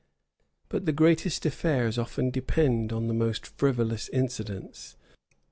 [*] But the greatest affairs often depend on the most frivolous incidents.